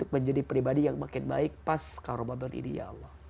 menjadi pribadi yang makin baik pasca ramadan ini ya allah